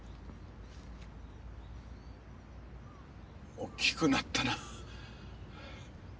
大きくなったな。